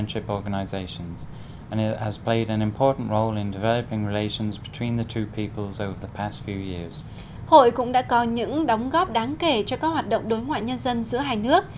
hội cũng đã có những đóng góp đáng kể cho các hoạt động đối ngoại nhân dân giữa hai nước